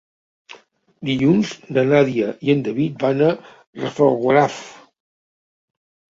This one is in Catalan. Dilluns na Nàdia i en David van a Rafelguaraf.